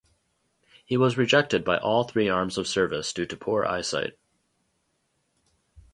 He was rejected by all three arms of service due to poor eyesight.